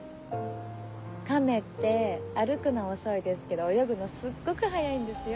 カメって歩くのは遅いですけど泳ぐのすっごく速いんですよ。